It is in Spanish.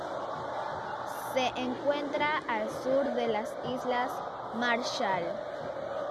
Se encuentra al sur de las Islas Marshall.